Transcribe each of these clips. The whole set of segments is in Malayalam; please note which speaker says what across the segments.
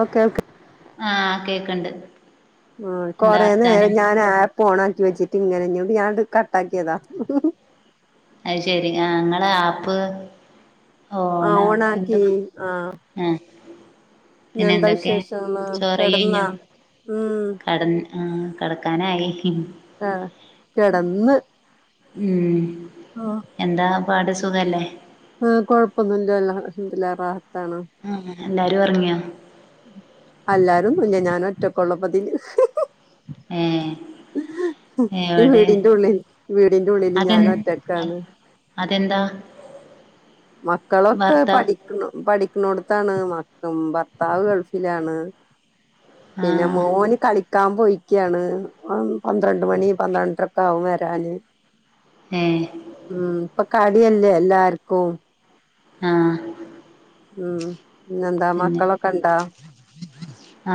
Speaker 1: ഓ കേൾക്ക
Speaker 2: ആഹ് കേക്ക്ണ്ട്
Speaker 1: ആഹ്
Speaker 2: എന്താ
Speaker 1: കൊറേ
Speaker 2: വർത്താനം
Speaker 1: നേരം ഞാൻ ആഹ്‌ ഇപ്പോണാക്കി വെച്ചിട്ട് [unintelligible] ഞാനത് കട്ടാക്കിയതാ
Speaker 2: അത് ശെരി ആഹ് ഇങ്ങളെ ആപ്പ്
Speaker 1: ആ
Speaker 2: ഓണാ
Speaker 1: ഓണാക്കി
Speaker 2: എന്തവാ
Speaker 1: ആ
Speaker 2: ആഹ് പിന്നെ
Speaker 1: പിന്നെന്താ
Speaker 2: എന്തൊക്കെ
Speaker 1: വിശേഷംന്ന്
Speaker 2: ചോറ് കഴി
Speaker 1: കെടന്നാ
Speaker 2: കഴിഞ്ഞോ
Speaker 1: ഉം
Speaker 2: കിടന്ന് ആഹ് കിടക്കാനായി
Speaker 1: ആഹ് കിടന്ന്
Speaker 2: ഉം എന്താ പാട് സുഖല്ലേ
Speaker 1: ആഹ് കൊഴപ്പൊന്നുമില്ല [unintelligible]
Speaker 2: ആഹ് എല്ലാരും ഉറങ്ങിയോ
Speaker 1: അല്ലാരുന്നുല്ല ഒറ്റക്കൊള്ളപ്പത്തേനു
Speaker 2: ഏഹ്
Speaker 1: ഈ
Speaker 2: എവടെ
Speaker 1: വീടിന്റെ ഉള്ളിൽ വീടിന്റെ ഉള്ളില്
Speaker 2: അതെ അത്
Speaker 1: ഞാനൊറ്റക്കാന്ന്
Speaker 2: അതെന്താ
Speaker 1: മക്കളൊക്കെ
Speaker 2: ഭർത്താവ്
Speaker 1: പഠിക്കുന്നു പഠിക്കണോടത്താ ണ് മക്കും ഭർത്താവ് ഗൾഫിലാണ് പിന്നെ
Speaker 2: ആഹ്
Speaker 1: മോന് കളി ക്കാൻ പോയിക്കയാണ് പന്ത്രണ്ട് മണി പന്ത്രരയൊക്കെ ആകും വരാൻ
Speaker 2: ഏഹ്
Speaker 1: ഉം ഇപ്പൊ കളിയല്ലേ എല്ലാർക്കും
Speaker 2: ആഹ്
Speaker 1: ഉം പിന്നെന്താ
Speaker 2: പിന്നെ
Speaker 1: മക്കളൊക്കെ ഇണ്ടോ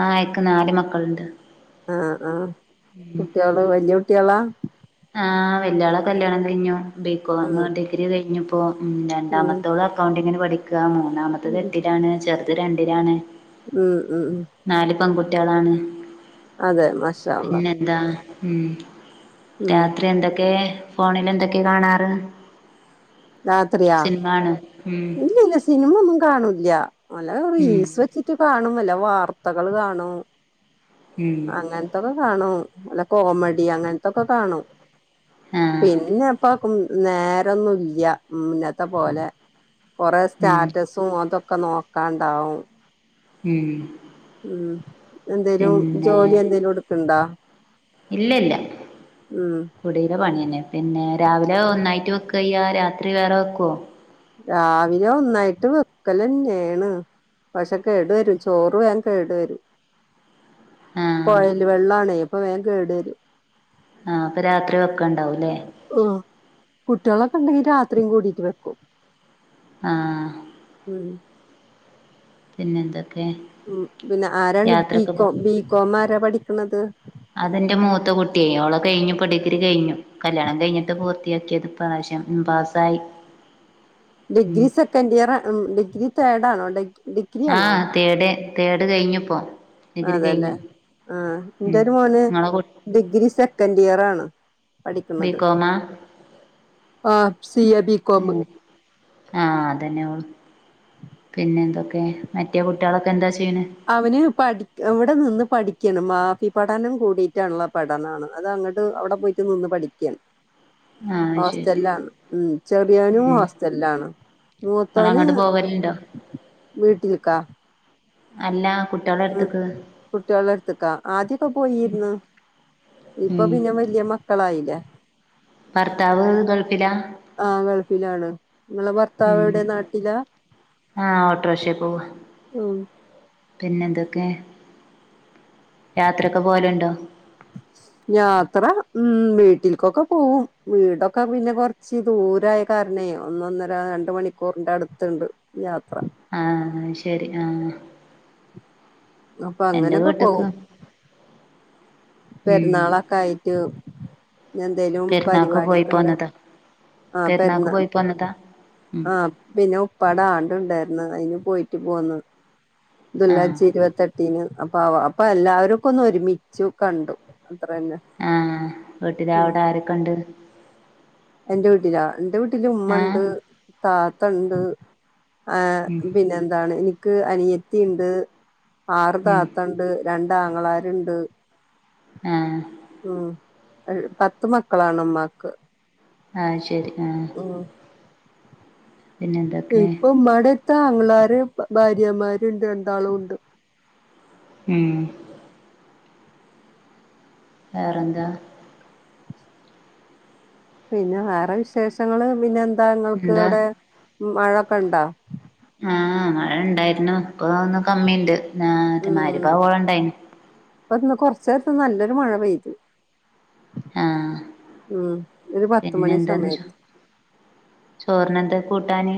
Speaker 2: ആഹ് ഇക്ക് നാല് മക്കള്ണ്ട്
Speaker 1: ആഹ് ആഹ്
Speaker 2: ഉം
Speaker 1: കുട്ടികള് വല്യ കുട്ടികളാ
Speaker 2: ആഹ് വെല്യാളെ കല്യാണം കഴിഞ്ഞു
Speaker 1: ഉം
Speaker 2: ബിക്കോമ് ഡിഗ്രി കഴിഞ്ഞിപ്പോ മ്
Speaker 1: ഉം
Speaker 2: രണ്ടാമത്തോള് അക്കൗണ്ടിങ്ങിന് പഠിക്കുകയാണ് മൂന്നാമത്തേത് എട്ടിലാണ് ചെറുത് രണ്ടിലാണ്
Speaker 1: മ് മ്
Speaker 2: നാല് പെൺകുട്ടികളാണ്
Speaker 1: അതെ മഷാഅള്ളാഹ്
Speaker 2: പിന്നെന്താ ഉം രാത്രി എന്തൊക്കേ ഫോണിലെന്തൊക്കെ കാണാറ്
Speaker 1: രാത്രിയോ
Speaker 2: സിനിമ ആണോ ഉം
Speaker 1: ഇല്ല ഇല്ല സിനിമൊന്നും കാണൂല്ല നല്ല
Speaker 2: ഉം
Speaker 1: റീൽസ് വെച്ചിട്ട് കാണും വല്ല വാർത്തകള് കാണും
Speaker 2: ഉം
Speaker 1: അങ്ങൻത്തൊക്കെ കാണും വല്ല കോമഡി അങ്ങൻത്തൊക്കെ കാണും
Speaker 2: ആഹ്
Speaker 1: പിന്നപ്പൊ നേരൊന്നുല്ല മുന്നത്തെ പോലെ കൊറേ
Speaker 2: ഉം
Speaker 1: സ്റ്റാറ്റസും അതൊക്കെ നോക്കാണ്ടാവും
Speaker 2: ഉം
Speaker 1: ഉ എന്തേലും
Speaker 2: പിന്നെ
Speaker 1: ജോലി എന്തേലും എടുക്കണ്ടോ
Speaker 2: ഇല്ല ഇല്ല
Speaker 1: ഉം
Speaker 2: കുടിയിലെ പണി തന്നെ പിന്നെ രാവിലെ ഒന്നായിട്ട് വെക കയ്യ രാത്രി വേറെ വെക്കുവെ?
Speaker 1: രാവിലെ ഒന്നായിട്ട് വെക്കലന്നെണ്. പക്ഷെ കേടു വരും ചോറ് വേഗം കേടു വരും.
Speaker 2: ആഹ്
Speaker 1: കൊഴയില് വെള്ളണേ അപ്പൊ വേഗം കേട് വരും.
Speaker 2: ആ അപ്പൊ രാത്രി വെക്കണ്ടാവും അല്ലേ?
Speaker 1: ആഹ് കുട്ടികളൊക്കെ ഉണ്ടെങ്കി രാത്രിയും കൂടിട്ട് വെക്കും.
Speaker 2: ആ
Speaker 1: [inaudible]
Speaker 2: പിന്നെ എന്താ
Speaker 1: ഉം പിന്നെ ആരാണ്
Speaker 2: പോ
Speaker 1: ബികോം ബികോം ആരാ പഠിക്കണത്.
Speaker 2: അതെന്റെ മൂത്ത കുട്ടിയെ ഓളെ കഴിഞ്ഞു ഇപ്പൊ ഡിഗ്രി കഴിഞ്ഞു. കല്യാണം കഴിഞ്ഞിട്ട് പൂർത്തിയാക്കി ഇത്. ഇപ പാസായി
Speaker 1: degree second year degree third ആണോ? ഡ
Speaker 2: ആ തേഡ് തേഡ് കഴിഞ്ഞു ഇപ്പൊ. ഡിഗ്രി
Speaker 1: അതെല്ലേ ആ എന്റെ
Speaker 2: ഉം
Speaker 1: ഒരു മോന്
Speaker 2: ഇങ്ങളെ കു
Speaker 1: ഡിഗ്രി സെക്കൻഡ് ഇയർ ആണ്. പഠിക്കുന്നത്
Speaker 2: ബികോമാ
Speaker 1: ആഹ് സി എ ബികോമ്
Speaker 2: ആ അതന്നെയള്ളു പിന്നെ എന്തൊക്കെ? മറ്റേ കുട്ടികളൊക്കെ എന്താചൊ
Speaker 1: അവന് പഠി ഇവിടെ നിന്ന് പഠി ഠിക്കണ് മാഫി പഠനം കൂടിട്ടള്ള പഠനമാണ് അത് അങ്ങോട്ട് അവിടെ പോയിട്ട് നിന്ന് പഠിക്കാണ്.
Speaker 2: ആഹ് ശരി
Speaker 1: ഹോസ്റ്റലിലാണ് ഉം ചെറിയൊനും
Speaker 2: ഉം
Speaker 1: ഹോസ്റ്റലിലാണ്. മൂത്തോന്
Speaker 2: ഇങ്ങളങ്ങട്ട് പോവലുണ്ടോ
Speaker 1: വീട്ടിൽക്ക
Speaker 2: അല്ല കുട്ടികളെ
Speaker 1: ഉം
Speaker 2: അടുത്ത്ക്ക്
Speaker 1: കുട്ടികള് എടുത്ത്ക്കാ ആദ്യക്കെ പോയിന്ന്. ഇപ്പൊ
Speaker 2: ഉം
Speaker 1: പിന്നെ വലിയ മക്കളായില്ലേ?
Speaker 2: ഭർത്താവ് ഗൾഫിലാ?
Speaker 1: ആ ഗൾഫിലാണ് നിങ്ങളെ ഭർത്താവ് എവിടെ നാട്ടിലാ.
Speaker 2: ആ ഓട്ടോറിക്ഷ പോവ
Speaker 1: ഉം
Speaker 2: പിന്നെന്തൊക്കെ യാത്രയക്കെ പോലെുണ്ടോ?
Speaker 1: യാത്ര ഉം വീട്ടിൽക്കൊക്കെ പോവും. വീടൊക്കെ പിന്നെ കൊറച്ച് ദൂരായ കരണ്ണേ ഒന്ന് ഒന്നര രണ്ട് മണിക്കൂറിന്റെ അടുത്ത്ണ്ട് യാത്ര.
Speaker 2: ആ ശരി ആ
Speaker 1: അപ്പൊ അങ്ങനൊക്കെ പോവും.
Speaker 2: ഉം
Speaker 1: പെരുന്നാളൊക്കെ ആയിട്ട്. എന്തേലും
Speaker 2: പെരുന്നാക്ക് പോയി
Speaker 1: പരിപാടിക്കെ ഇണ്ടകി
Speaker 2: പോന്നതാ
Speaker 1: ആ
Speaker 2: പെരുന്നാക്ക്
Speaker 1: പെരുന്ന
Speaker 2: പോയി പോന്നതാ ഉം
Speaker 1: ആ പിന്നെ ഉപ്പാടെ ആണ്ട് ഉണ്ടായിരുന്ന് അതിന് പോയി. പോന്ന്
Speaker 2: ആഹ്
Speaker 1: ദുൽഹജ്ജ് ഇരുപത്തിട്ടിന്. അപ്പൊ അപ്പൊ എല്ലാവരുക്കെ ഒന്ന് ഒരുമിച്ചു കണ്ടു. തന്നെ
Speaker 2: ആ വീട്ടില്
Speaker 1: ഉം
Speaker 2: അവിടെ ആരൊക്കെയുണ്ട്.
Speaker 1: എന്റെ വീട്ടിലാ എന്റെ വീട്ടില് ഉമ്മ
Speaker 2: ഏഹ്
Speaker 1: ഉണ്ട് താത്തണ്ട്. ആ
Speaker 2: ഉം
Speaker 1: പിന്നെ എന്താണ് എനിക്ക് അനിയത്തി ഇണ്ട്. ആറ്
Speaker 2: ഉം
Speaker 1: താത്തണ്ട് രണ്ടാങ്ങളാരുണ്ട്.
Speaker 2: ആ
Speaker 1: ഉം പത്ത് മക്കളാണ് ഉമ്മാക്ക്.
Speaker 2: ആ ശരി ആ
Speaker 1: ഉം ഇപ്പൊ ഉമ്മാടത്ത് ആങ്ങളമാര് ഭാര്യമാര് ഇണ്ട് രണ്ടാളും ഉണ്ട്.
Speaker 2: ഉം വേറെന്താ?
Speaker 1: പിന്നെ വേറെ വിശേഷങ്ങള് പിന്നെ എന്താ ങ്ങൾക്ക്
Speaker 2: എന്താ
Speaker 1: അവിടെ മഴൊക്കെണ്ടാ
Speaker 2: ആഹ് മഴണ്ടായിരുന്നു ഇപ്പൊ ഒന്ന് കമ്മിണ്ട് നാ മരിബാവോളംണ്ടായിന്
Speaker 1: ഇപ്പൊന്ന് കൊർച്ച്നേര്ത്ത് നല്ലൊരു മഴ പെയ്ത്
Speaker 2: ആഹ്
Speaker 1: ഉം ഒരു പത്ത്മണി സമയത്ത്
Speaker 2: ചോറിനെന്തേ കൂട്ടാന്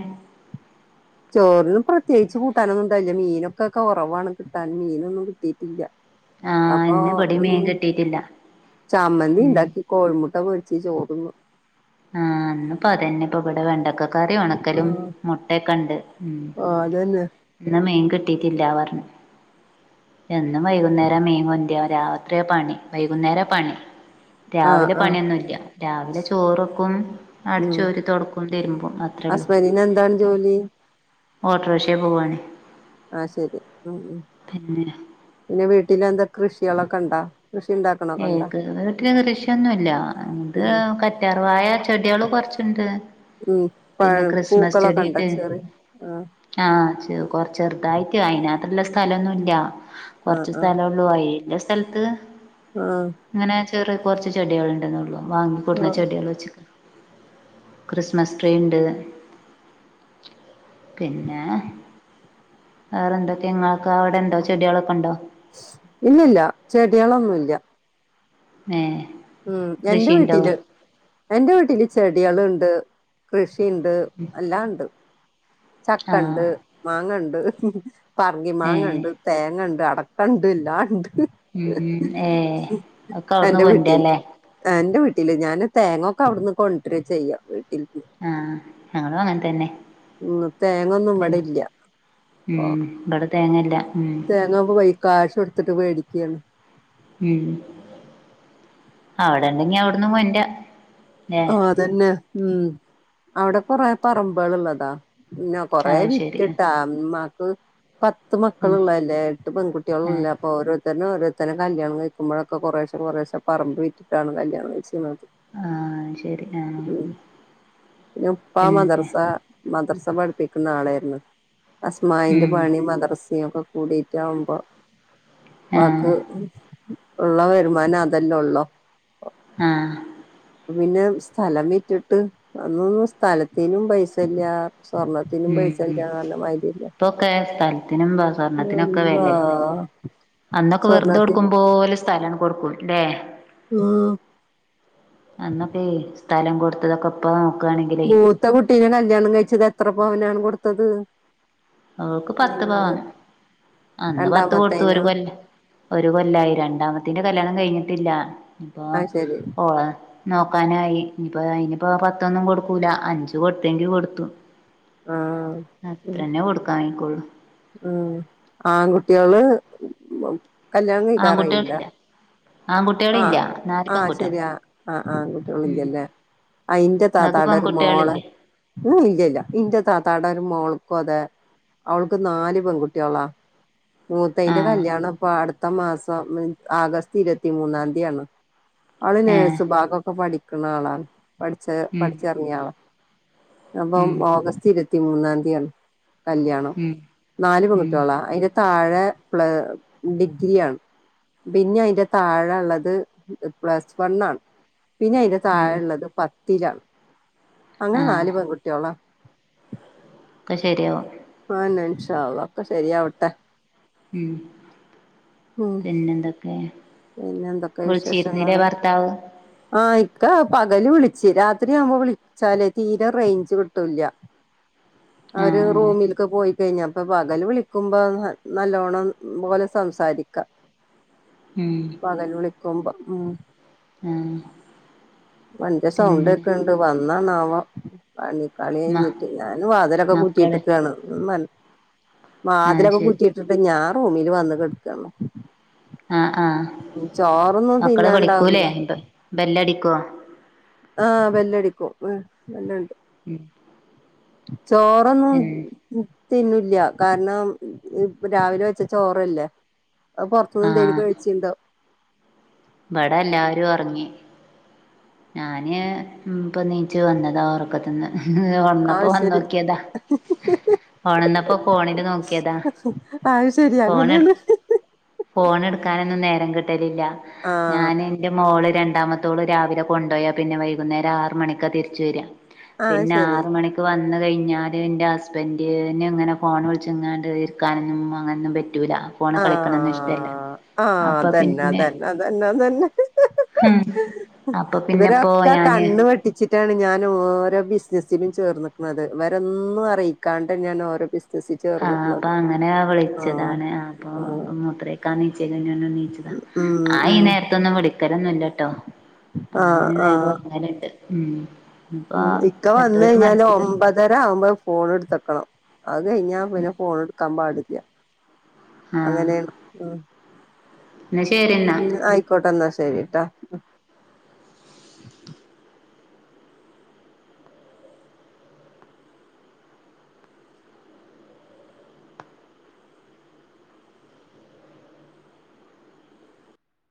Speaker 1: ചോർന് പ്രത്യേകിച്ച് കൂട്ടാനൊന്നുണ്ടായില്ല മീനൊക്കെ കൊറവാണ് കിട്ടാൻ മീനൊന്നും കിട്ടിയിട്ടില്ല
Speaker 2: ആഹ്
Speaker 1: അപ്പൊ
Speaker 2: ഇന്ന് ഇബടിം മീൻ
Speaker 1: ഉം
Speaker 2: കിട്ടിയിട്ടില്ല ഉം
Speaker 1: ചമ്മന്തിണ്ടാക്കി കോഴിമുട്ട പൊരി ച്ച് ചോറ്ന്നു
Speaker 2: ആഹ് ഇന്ന്പ്പൊ അതന്നെ ഇപ്പൊ ഇവിടെ വേണ്ടക്കക കറി ഒണക്കലും
Speaker 1: ആഹ്
Speaker 2: മുട്ടൊക്കെണ്ട് ഉം
Speaker 1: ആഹ് അതന്നെ
Speaker 2: ഇന്ന് മീൻ കിട്ടിറ്റില്ലാ പർഞ്ഞ് എന്നും വൈകുന്നേരാ മീൻ കൊണ്ടരാ രാത്രിയാ പണി വൈകുന്നേരാ പണി
Speaker 1: ആഹ്
Speaker 2: രാവിലെ
Speaker 1: ആഹ്
Speaker 2: പണിയൊന്നുല്ല രാവിലെ ചോറും പ്പും
Speaker 1: ഉം
Speaker 2: അട്ച്ചോരി തൊടക്കും തിരുമ്പും അത്രേള്ളു
Speaker 1: ഹസ്ബൻഡിന് എന്താണ് ജോലി
Speaker 2: ഓട്ട്രോഷേപോവാണ്
Speaker 1: ആശരി ഉം പിന്നെ വീട്ടിലെന്തൊക്കെ കൃഷികളൊക്കെണ്ടാ
Speaker 2: ഏ ക്ക് വീട്ടില് കൃഷിയൊന്നുമല്ലാ ഇത്
Speaker 1: ഉം
Speaker 2: കറ്റാർവാഴ ചെടികള് കൊർ ച്ച്ണ്ട്.
Speaker 1: ഉം
Speaker 2: പിന്നെ
Speaker 1: പഴം
Speaker 2: ക്രിസ്മസ്
Speaker 1: പൂക്കളൊക്കെ ഉണ്ടോ
Speaker 2: ചെടിണ്ട്
Speaker 1: ചെറിയ ആഹ്
Speaker 2: ആഹ് [unintelligible] കൊർചെറുതായിട്ട് അയിനാത്രള്ള സ്ഥലൊന്നുല്ല
Speaker 1: ആഹ്
Speaker 2: കൊർച്ച്
Speaker 1: ആഹ്
Speaker 2: സ്ഥലൊള്ളൂ അയിലസ് സ്ഥൽത്ത്
Speaker 1: ആഹ്
Speaker 2: ഇങ്ങനെ ചെറിയ കൊർച്ച് ചെടികൾ ഉണ്ടെന്നൊള്ളു. വാങ്ങിക്കൊടുന്ന
Speaker 1: ആഹ്
Speaker 2: ചെടികൾ വെച്ച്ക്ക്. ക്രിസ്മസ് ട്രീയ്ണ്ട് പിന്നെ വേറെന്തൊക്കെ ഇങ്ങൾക്ക് അവിടെണ്ടോ ചെടികളൊക്കെ ഉണ്ടോ?
Speaker 1: ഇല്ലല്ല. ചെടികളൊന്നുല്ല
Speaker 2: ങേഹ്
Speaker 1: ഉം എന്റെ വീട്ടിൽ, എന്റെ വീട്ടിൽ ചെടിയേള്ണ്ട്, കൃഷ് ഷിണ്ട് എല്ലാം ണ്ട്.
Speaker 2: ആഹ്
Speaker 1: ചക്കണ്ട് മാങ്ങണ്ട് പറങ്കി
Speaker 2: ഏഹ്
Speaker 1: മാങ്ങണ്ട് തേങ്ങണ്ട് അടക്കണ്ട് എല്ലാം ണ്ട്.
Speaker 2: ഉം ഉം ഏഹ് ഒക്കെ അവ്ട്ന്ന് കൊണ്ടരാലെ
Speaker 1: ആഹ്. ന്റെ വീട്ടില് ഞാൻ തേങ്ങൊക്കെ അവ്ടുന്ന് കൊണ്ട്രാ ചെയ്യാ വീട്ടിന്ന്
Speaker 2: ആഹ് ഞങ്ങളും അങ്ങൻതന്നെ
Speaker 1: ഉം തേങ്ങൊന്നും ഇവിടെല്ല്യാ. അപ്പോ
Speaker 2: ഉം ഇവിടെ തേങ്ങല്ല ഉം
Speaker 1: തേങ്ങാപൊ പോയി കാശ് കൊടുത്തിട്ട് വേടിക്ക്യാണ്.
Speaker 2: ഉം അവിടെണ്ടെങ്കി അവിട്ന്നും കൊണ്ട്രാ.
Speaker 1: ആഹ് അതന്നെ. ഉം അവിടെ കൊറേ പറമ്പുകൾള്ളതാ പിന്നെ കൊറെ
Speaker 2: അത് ശരി ആ
Speaker 1: വിറ്റിട്ടാ ഇമ്മാക്ക് പത്ത്
Speaker 2: ഉം
Speaker 1: മക്കളുള്ള അല്ലേ. എട്ട്
Speaker 2: ആ
Speaker 1: പെൺകുട്ടിയേളുംല്ലേ അപ്പൊ ഓരോ ത്തര്നെ ഓരോത്തരെ കല്യാണം കഴിക്കുമ്പോഴൊക്കെ കുറെശെ കുറെശെ പറമ്പ് വിറ്റിട്ടാണ് കല്യാണം കഴിച്ചിര്ന്നത്
Speaker 2: ആഹ്
Speaker 1: ഉം പിന്നുപ്പാ
Speaker 2: പിന്നെ
Speaker 1: മദ്രസാ മദ്രസ് സ പഠിപ്പിക്കുന്ന ആളേര്ന്ന്. അസ്മാഇന്റെ
Speaker 2: ഉം
Speaker 1: പണി മദ്രസ ഇങ്ങനൊക്കെ കൂടിയിറ്റാവുമ്പോ
Speaker 2: ആ
Speaker 1: ഉപ്പാക്ക് ഉള്ള വരുമാനം അതന്നെ ഉള്ളൂ
Speaker 2: ആഹ്
Speaker 1: പിന്നെ സ്ഥലം വിറ്റിട്ട് അന്നൊന്നും സ്ഥലത്തിനും പൈസല്ല സ്വർണത്തിനും
Speaker 2: ഉം
Speaker 1: പൈസയില്ല
Speaker 2: ഇപ്പൊക്കെ സ്ഥലത്തിനും സ്വർണത്തിനൊക്കെ
Speaker 1: [unintelligible]
Speaker 2: വെലേ
Speaker 1: ആഹ്
Speaker 2: അന്നൊക്കെ വെറുതെ കൊടുക്കും പോലെ സ്ഥലാണ് കൊടുക്കും ല്ലേ
Speaker 1: ഉം
Speaker 2: അന്നൊക്കെ സ്ഥലം കൊടുത്തതൊക്കെ ഇപ്പം
Speaker 1: മൂത്ത കുട്ടീനെ കല്യാണം കഴിച്ചത് എത്ര പവനാണ് കൊടുത്തത്
Speaker 2: ഓക്ക് പത്ത്
Speaker 1: നിങ്ങള്
Speaker 2: പവന് അന്ന് പത്ത് കൊടുത്തു ഒരു
Speaker 1: രണ്ടാമത്തേനോ
Speaker 2: കൊല്ലം ഒരു കൊല്ലായി രണ്ടാമ ത്തിന്റെ കല്യാണം കഴിഞ്ഞിട്ടില്ല ഇപ്പൊ
Speaker 1: ആഹ് ശരി
Speaker 2: ഓള് നോക്കാനായി ഇനിപ്പോ അയിനിപ്പോ പത്തൊന്നും കൊടുക്കൂല അഞ്ച് കൊടുത്തെങ്കി കൊടുത്തു.
Speaker 1: ആഹ്
Speaker 2: അത്ര ന്നെ കൊടുക്കാൻ വൈക്കുള്ളൂ.
Speaker 1: ഉമ് ആൺ കുട്ട്യാള് മ് കല്യാണം കഴിക്കാറായില്ല
Speaker 2: ആൺകുട്ടികളില്ല ആൺകുട്ടികളില്ല
Speaker 1: ആഹ്
Speaker 2: നാല്
Speaker 1: ആഹ്
Speaker 2: പെൺകുട്ടികൾ
Speaker 1: ശെരി ആഹ് ആഹ്
Speaker 2: ഉം
Speaker 1: കുട്ട്യാളില്ല ല്ലേ അയിന്റെ
Speaker 2: നിങ്ങക്ക്
Speaker 1: താത്താടെ ഒരു മോളെ
Speaker 2: പെൺകുട്ടികളില്ലേ
Speaker 1: ഇഹ് ഇല്ലല്ലാ ഇന്റെ താത്താടെ മോൾക്കു അതെ അവൾക്ക് നാല് പെൺ കുട്ട്യാളാ മൂത്തയിന്റെ
Speaker 2: ആഹ്
Speaker 1: കല്യാണം ഇപ്പൊ അടുത്ത മാസം മ് ആഗസ്റ്റ് ഇരുപത്തിമൂന്നാം തിയാണ് ആള്
Speaker 2: ഏഹ്
Speaker 1: നേഴ്സു ഭാഗൊക്കെ പഠിക്ക്ണാളാണ് പഠിച്ച്
Speaker 2: ഉം
Speaker 1: പഠിച്ചെറങ്ങിയ ആളാണ് അപ്പം
Speaker 2: ഉം
Speaker 1: ഓഗസ്റ്റ് ഇരുപത്തിമൂന്നാംതി ആണ് കല്യാണം
Speaker 2: ഉം
Speaker 1: നാല്
Speaker 2: ഉം
Speaker 1: പെങ്കുട്ട്യോളാ അയിന് താഴെ പ്ല ഡിഗ്രിയാണ് പിന്നെ അയിന്റെ താഴെ ഇള്ളത് പ്ലസ് വണ്ണാണ് പിന്നെ അയ്ന്റെ
Speaker 2: ഉം
Speaker 1: താഴെ ഇള്ളത് പത്ത ത്തിലാണ് അങ്ങനെ
Speaker 2: ആഹ്
Speaker 1: നാല് പെങ്കുട്ട്യോളാ
Speaker 2: ഒക്കെ ശെരിയാവും
Speaker 1: അതെന്നെ ഇൻഷാ അള്ളാ ഒക്കെ ശെരിയാവട്ടെ
Speaker 2: ഉം പിന്നെന്തൊക്കെ?
Speaker 1: പിന്നെന്തൊക്കെ
Speaker 2: വിളിച്ചിരുന്നില്ലേ
Speaker 1: വിശേഷങ്ങളാണ്
Speaker 2: ഭർത്താവ്
Speaker 1: ആ ഇ ഇക്കാ പകല് വിളിച്ച് രാത്രിയാവുമ്പൊ വിളിച്ചാലേ തീരെ റേഞ്ച് കിട്ടുല്ല്യ അവര്
Speaker 2: ആഹ്
Speaker 1: റൂമില്ക്ക് പോയി കഴിഞ്ഞപ്പ പകല് വിളിക്കുമ്പൊ നല്ലോണം പോലെ സംസാരിക്കാ
Speaker 2: ഉം
Speaker 1: പകല് വിളിക്കുമ്പൊ ഉം
Speaker 2: ആഹ്
Speaker 1: വണ്ടി
Speaker 2: പിന്നെ
Speaker 1: സൗണ്ടേക്ക്ണ്ട് വന്നണാവോ പണി
Speaker 2: മ
Speaker 1: പണികയിഞ്ഞിട്ട് ഞാന് വാതലൊക്കെ
Speaker 2: മക്കള്
Speaker 1: കുറ്റിയിട്ട്ക്കാണ് [unintelligible]
Speaker 2: ആഹ്
Speaker 1: വാതിലൊക്കെ
Speaker 2: ശരി
Speaker 1: കുറ്റിയിട്ടിട്ട് ഞാൻ റൂമില് വന്ന് കെട്ക്കാണ്
Speaker 2: ആഹ് ആഹ് മക്കള് വിളിക്കൂലേ
Speaker 1: തിന്നാണ്ടാവില്ല
Speaker 2: ഇനിപ്പം ബെല്ലടിക്കോ
Speaker 1: ആഹ് ബെല്ലടിക്കും ഉം ബെല്ലുണ്ട്
Speaker 2: ഉം
Speaker 1: ചോറൊന്നും
Speaker 2: പിന്നെ
Speaker 1: [unintelligible] തിന്നൂല്ല കാരണം ഇപ് രാവിലെ വെച്ച ചോറല്ലേ അത് പൊറത്തുന്നെന്തെലും കഴിച്ചി
Speaker 2: ഇബടെല്ലാരും ഒറങ്ങി ഞാന് ഉം ഇപ്പെണീറ്റ് വന്നതാ ഒറക്കത്ത്ന്ന് വന്നപ്പോ
Speaker 1: ആഹ് ശരി
Speaker 2: വന്നോക്കിയതാ ഒണന്നപ്പോ ഫോണില് നോക്കിയതാ
Speaker 1: അത് ശരി
Speaker 2: ഫോണെട്
Speaker 1: അങ്ങനെയാണ്
Speaker 2: ഫോണെടുക്കാന് നും നേരം കിട്ടലില്ല ഞാന് ഇന്റെ മോള് രണ്ടാമത്തോള് രാവിലെ കൊണ്ടോയാ പിന്നെ വൈകുന്നേരം ആറ്മണിക്കാ തിരിച്ച് വെരാ
Speaker 1: ആഹ്
Speaker 2: പിന്നെ
Speaker 1: ശരി
Speaker 2: ആറ്മണിക്ക് വന്നാ ന്ന് കഴിഞ്ഞാല് ഇന്റെ ഹസ്ബന്റ്ന്ങ്ങനെ ഫോണ് വിളിച്ച്ങ്ങാണ്ട് ഇരിക്കാനൊന്നും അങ്ങനൊന്നും പറ്റ് റ്റൂല ഫോണ് കളിക്കണൊന്നും ഇഷ്ട്ടല്ല
Speaker 1: ആഹ് ആഹ് അതന്നതന്നതന്നെതന്നെ
Speaker 2: അപ്പൊ പിന്നെപ്പോ
Speaker 1: ഇവരൊക്കെ
Speaker 2: ഞാന്
Speaker 1: കണ്ണ് വെട്ടിച്ചിട്ടാണ് ഞാൻ ഓരോ ബിസി നസിന് ചേർന്നക്ക്ണത് ഇവരൊന്നും അറിയിക്കാണ്ട് ഞാൻ ഓരോ ബിസി
Speaker 2: ആഹ് അപ്പൊ അങ്ങനെയാ
Speaker 1: ആഹ്
Speaker 2: വിളിച്ചതാണ് അപ്പൊ
Speaker 1: ആഹ്
Speaker 2: മൂത്രൊക്കാ ന്ച്ചാന് എണീറ്റതാ
Speaker 1: ഉം
Speaker 2: ആഈ
Speaker 1: ഉം
Speaker 2: നേരത്തൊന്നും വിളിക്കലൊന്നുല്ലട്ടോ
Speaker 1: ആഹ്
Speaker 2: ആന്ന് വേഗം
Speaker 1: ആഹ്
Speaker 2: ഒറങ്ങാലിട് മു
Speaker 1: ഇക്ക വന്ന് കഴിഞ്ഞാല് ഒമ്പതര ആവുമ്പോ ഫോണെടുത്തക്കണം. അത് കഴിഞ്ഞ പിന്നെ ഫോൺ എടുക്കാൻ പാടില്ല
Speaker 2: ആഹ്
Speaker 1: അങ്ങനെയാണ് ഉം
Speaker 2: എന്നാ ശരി എന്നാ
Speaker 1: ഉം